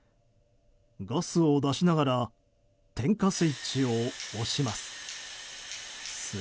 ガスを出しながら点火スイッチを押します。